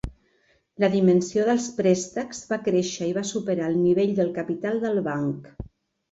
La dimensió dels préstecs va créixer i va superar el nivell del capital del banc.